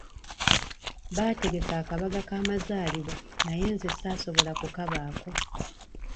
Baategeka akabaga k'amazaalibwa naye nze saasobola kukabaako.